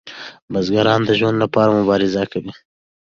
بزګران د ژوند لپاره مبارزه کوي.